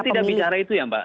saya tidak bicara itu ya mbak